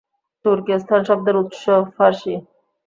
তুর্কিস্তান শব্দের উৎস ফারসি।